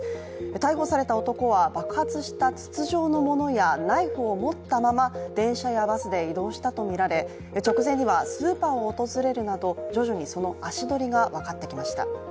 逮捕された男は、爆発した筒状のものやナイフを持ったまま電車やバスで移動したとみられ直前にはスーパーを訪れるなど徐々にその足取りが分かってきました。